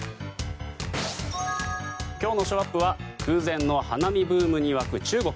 今日のショーアップは空前の花見ブームに沸く中国。